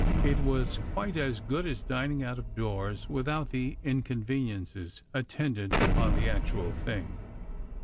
It was quite as good as dining out of doors, without the inconveniences attendant upon the actual thing.